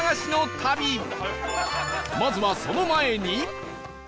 まずはその前に